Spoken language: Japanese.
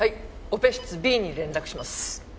オペ室Ｂに連絡します。